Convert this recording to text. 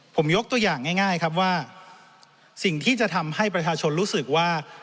ผมยกตัวอย่างง่ายครับว่าสิ่งที่จะทำให้ประชาชนรู้สึกว่า